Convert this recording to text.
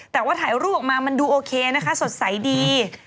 แต่ว่าถ่ายรูปออกมามันดูโอเคนะคะสดใสดี